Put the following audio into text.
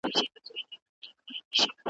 حیوانان او انسانان به مري له تندي `